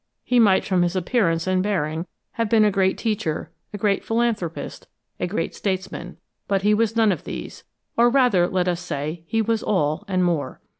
He might, from his appearance and bearing, have been a great teacher, a great philanthropist, a great statesman. But he was none of these or rather, let us say, he was all, and more.